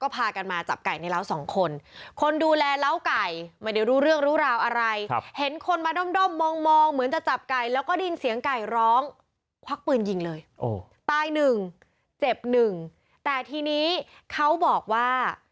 ป้ายหนึ่งเจ็บหนึ่งแต่ทีนี้เขาบอกว่า